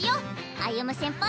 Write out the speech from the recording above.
歩夢先輩！